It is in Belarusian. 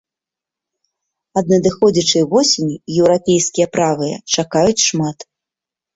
Ад надыходзячай восені еўрапейскія правыя чакаюць шмат.